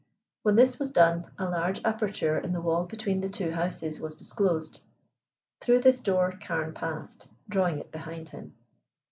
When this was done a large aperture in the wall between the two houses was disclosed. Through this door Carne passed, drawing it behind him.